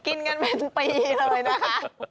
กินกันเป็นปีเลยนะคะ